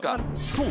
そう！